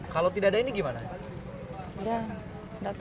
kalau tidak ada ini gimana